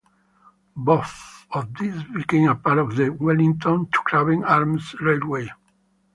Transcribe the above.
Both of these became a part of the Wellington to Craven Arms Railway.